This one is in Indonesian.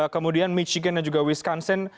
kemudian michigan dan juga wisconsin